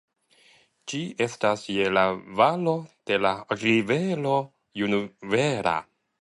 Ĝi estas je la valo de la rivero Juvera.